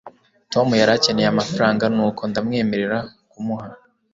tom yari akeneye amafaranga, nuko ndamwemerera kumuha